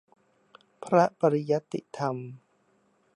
พระปริยัติธรรม